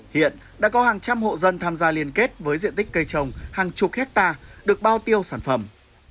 hiện đã có hàng trăm hộ dân tham gia liên kết với diện tích cây trồng hàng chục hectare được bao tiêu sản phẩm